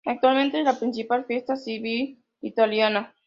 Actualmente, es la principal fiesta civil italiana.